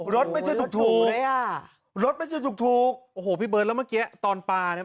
ไม่ใช่ถูกรถไม่ใช่ถูกถูกโอ้โหพี่เบิร์ดแล้วเมื่อกี้ตอนปลาเนี่ย